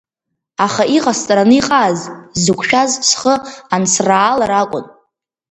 Аха иҟасҵараны иҟааз, сзықәшәаз схы ансраалар акәын.